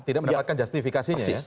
tidak mendapatkan justifikasinya ya